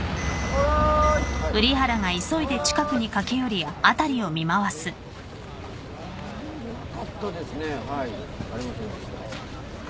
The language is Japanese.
ありませんでした。